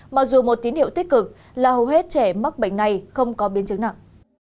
mặc dù một tín hiệu tích cực là hầu hết trẻ mắc bệnh này không có biến chứng nặng